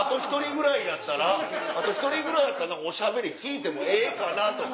あと１人ぐらいやったらお喋り聞いてもええかな？とか。